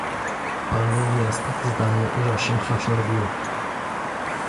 "Palnęła nieraz takie zdanie, że aż się kwaśno robiło."